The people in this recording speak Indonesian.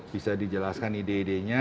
bisa dijelaskan ide idenya